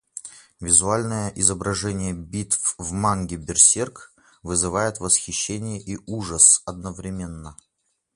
Визуальное изображение битв в манге Берсерк вызывает восхищение и ужас одновременно.